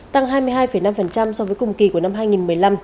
tăng hai mươi hai năm so với cùng kỳ của năm hai nghìn một mươi năm